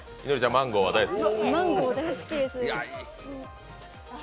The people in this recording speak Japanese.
マンゴー大好きです。